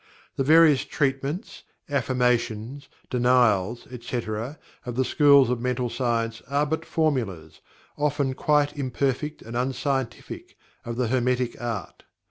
The various "treatments," "affirmations," "denials" etc., of the schools of mental science are but formulas, often quite imperfect and unscientific, of The Hermetic Art.